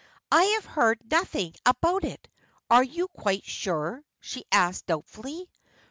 "I have heard nothing about it. Are you quite sure?" she asked, doubtfully.